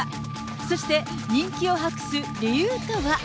そして、人気を博す理由とは？